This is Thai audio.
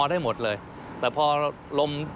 ได้หมดเลยแต่พอลม